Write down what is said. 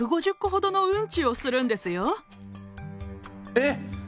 えっ！？